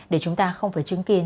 để chúng ta không phải chứng kiến